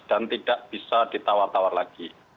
dan tidak bisa ditawar tawar lagi